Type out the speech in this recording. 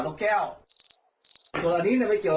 แหมใส่เสื้อขาดยังดูดี